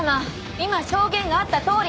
今証言があった通り